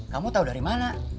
kamu tau dari mana